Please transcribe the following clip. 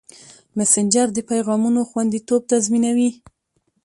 مسېنجر د پیغامونو خوندیتوب تضمینوي.